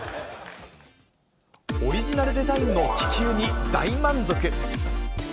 オリジナルデザインの気球に大満足。